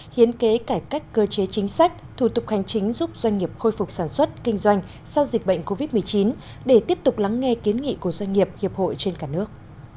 hiến kế cải cách cơ chế chính sách thủ tục hành chính giúp doanh nghiệp khôi phục sản xuất kinh doanh sau dịch bệnh covid một mươi chín để tiếp tục lắng nghe kiến nghị của doanh nghiệp hiệp hội trên cả nước